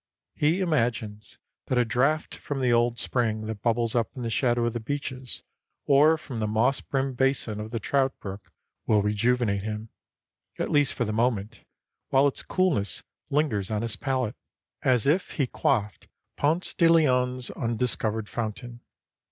He imagines that a draught from the old spring that bubbles up in the shadow of the beeches or from the moss brimmed basin of the trout brook will rejuvenate him, at least for the moment while its coolness lingers on his palate, as if he quaffed Ponce de Leon's undiscovered fountain.